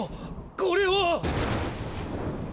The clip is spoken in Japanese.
これは！